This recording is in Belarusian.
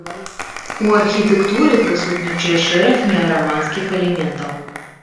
У архітэктуры прысутнічае шэраг неараманскіх элементаў.